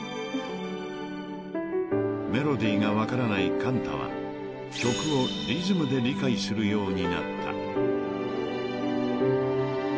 ［メロディーが分からない寛太は曲をリズムで理解するようになった］